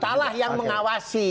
kitalah yang mengawasi